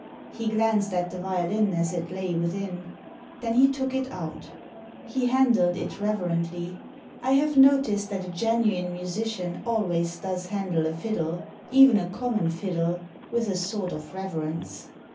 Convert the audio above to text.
He glanced at the violin as it lay within ; then he took it out He handled it reverently. I have noticed that a genuine musician always does handle a fiddle — even a common fiddle — with a sort of reverence.